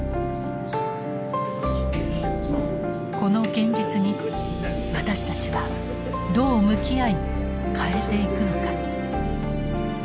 この現実に私たちはどう向き合い変えていくのか。